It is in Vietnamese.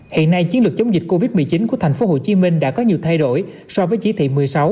hiện nay chiến lược chống dịch covid một mươi chín của thành phố hồ chí minh đã có nhiều thay đổi so với chí thị một mươi sáu